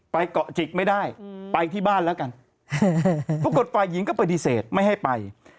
เกาะจิกไม่ได้ไปที่บ้านแล้วกันปรากฏฝ่ายหญิงก็ปฏิเสธไม่ให้ไป